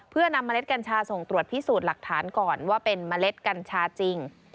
เพื่อนำเมล็ดกัญชาส่งตรวจพิสูจน์หลักฐานก่อนว่าเป็นเมล็ดกัญชาจริง